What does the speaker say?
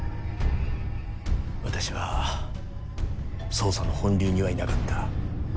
私は捜査の本流にはいなかった。